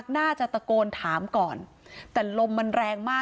พระเจ้าที่อยู่ในเมืองของพระเจ้า